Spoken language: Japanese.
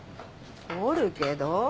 おるけど。